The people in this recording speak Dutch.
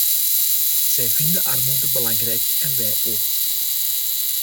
Zij vinden armoede belangrijk en wij ook.